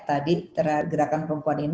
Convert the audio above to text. tadi gerakan perempuan ini